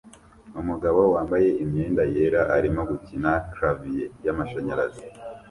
Umugabo wambaye imyenda yera arimo gukina clavier yamashanyarazi